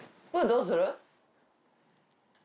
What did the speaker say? どうする？